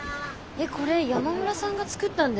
えっこれ山村さんが作ったんですか？